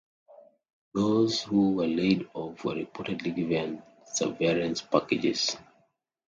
Those who were laid off were reportedly given severance packages.